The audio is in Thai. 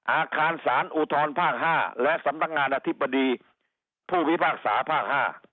อาคารสารอุทธรภาค๕และสำนักงานอธิบดีผู้พิพากษาภาค๕